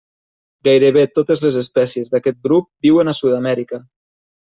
Gairebé totes les espècies d'aquest grup viuen a Sud-amèrica.